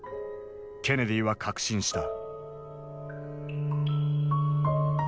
ケネディは確信した。